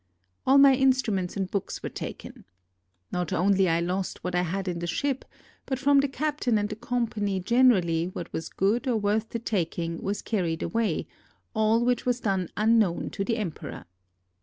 All my instruments and books were taken. Not only I lost what I had in the ship, but from the captain and the company generally what was good or worth the taking was carried away; all which was done unknown to the emperor.